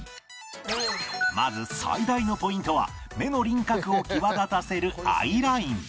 まず最大のポイントは目の輪郭を際立たせるアイライン